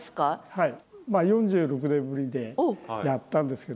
はい。